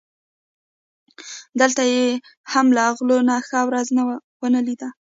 دلته یې هم له غلو نه ښه ورځ و نه لیده.